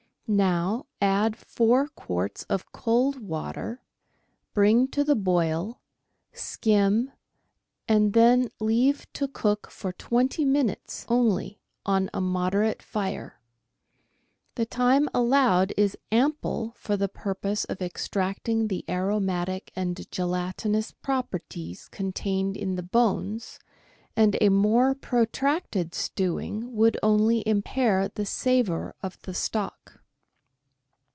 Now add four quarts of cold water, bring to the boil, skim, and. then leave to cook for twenty minutes, only, on a moderate fire. The time allowed is ample for the purpose of extracting the aromatic and gelatinous properties contained in the bones, and a more protracted stew ing would only impair the savour of the stock.